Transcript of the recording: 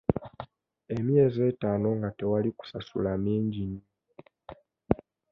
Emyezi ettaano nga tewali kusasula mingi nnyo.